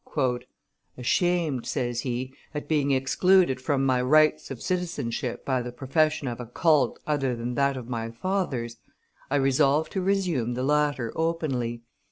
"Ashamed," says he, "at being excluded from my rights of citizenship by the profession of a cult other than that of my fathers, I resolved to resume the latter openly.